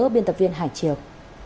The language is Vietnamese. biên tập viên hải triều